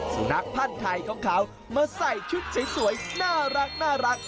สุนัขพันธ์ไทยของเขามาใส่ชุดสวยน่ารัก